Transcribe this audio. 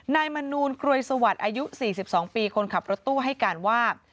มนูลกรวยสวัสดิ์อายุ๔๒ปีคนขับรถตู้ให้การว่า